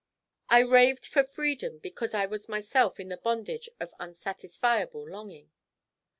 I raved for freedom because I was myself in the bondage of unsatisfiable longing."